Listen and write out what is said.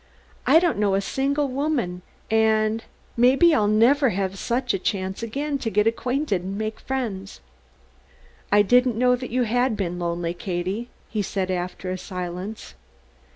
I don't know a single woman and may be I'll never have such a chance again to get acquainted and make friends." "I didn't know that you had been lonely, Katie," he said after a silence.